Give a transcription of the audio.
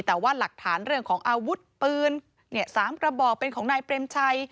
แต่ว่าหลักฐานเรื่องของอาวุธปืน๓กระบอกเป็นของนายเปรมชัย